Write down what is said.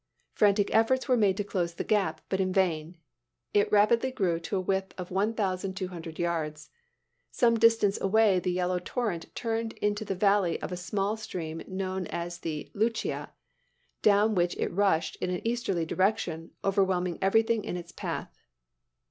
Frantic efforts were made to close the gap, but in vain. It rapidly grew to a width of one thousand two hundred yards. Some distance away the yellow torrent turned into the valley of a small stream known as the Luchia, down which it rushed in an easterly direction, overwhelming everything in its path.